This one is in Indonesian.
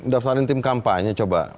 daftarin tim kampanye coba